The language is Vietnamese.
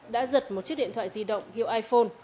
đã giật một chiếc điện thoại di động hiệu iphone